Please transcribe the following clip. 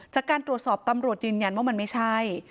จากการตรวจสอบตำรวจยืนยันว่ามันไม่ใช่